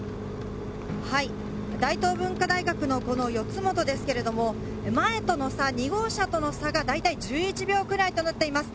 大東文化大学の四元ですけれども、前との差、２号車との差が大体１１秒くらいとなっています。